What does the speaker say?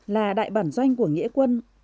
là đại bản doanh của nghĩa quân